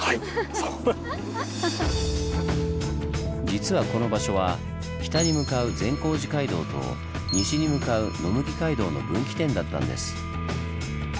実はこの場所は北に向かう善光寺街道と西に向かう野麦街道の分岐点だったんです。